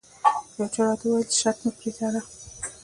یو چا راته وویل چې شرط مه پرې تړه.